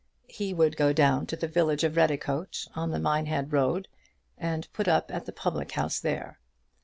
He would go down to the village of Redicote, on the Minehead road, and put up at the public house there.